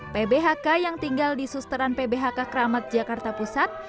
pbhk yang tinggal di susteran pbhk keramat jakarta pusat